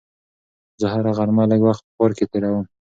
زه هره غرمه لږ وخت په پارک کې تېروم.